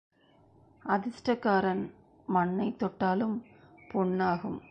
அதிர்ஷ்டக்காரன் மண்ணைத் தொட்டாலும் பொன்னாகும்.